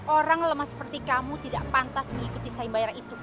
orang lemah seperti kamu tidak pantas mengikuti saya bayar itu